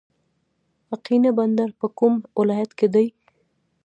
اقینه بندر په کوم ولایت کې دی؟